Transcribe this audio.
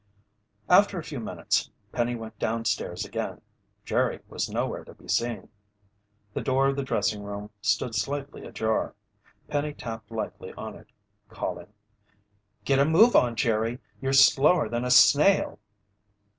After a few minutes, Penny went downstairs again. Jerry was nowhere to be seen. The door of the dressing room stood slightly ajar. Penny tapped lightly on it, calling: "Get a move on, Jerry! You're slower than a snail!"